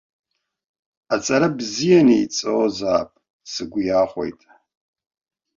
Аҵара бзианы иҵозаап, сгәы иахәеит.